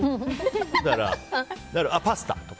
だから、パスタ！とか。